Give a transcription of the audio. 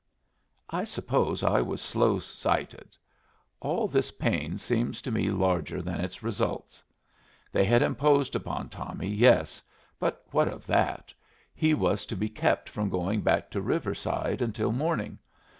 I suppose I was slow sighted. All this pains seemed to me larger than its results. They had imposed upon Tommy, yes. But what of that? He was to be kept from going back to Riverside until morning.